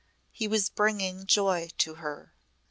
He was bringing joy to her.